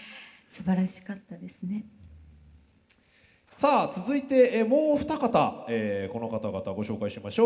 さあ続いてもう二方この方々ご紹介しましょう。